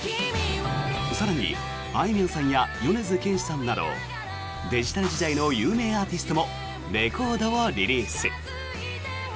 更に、あいみょんさんや米津玄師さんなどデジタル時代の有名アーティストもレコードをリリース。